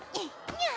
にゃ！